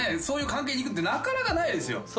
そういう関係にいくってなかなかないですよ